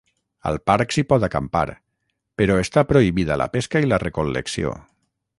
Al parc s'hi pot acampar, però està prohibida la pesca i la recol·lecció.